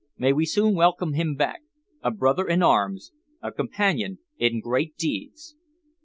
May we soon welcome him back, a brother in arms, a companion in great deeds!